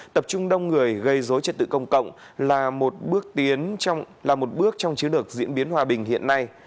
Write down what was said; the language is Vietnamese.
tập trung đông người gây rối trên tự công cộng là một bước trong chiến lược diễn biến hòa bình hiện nay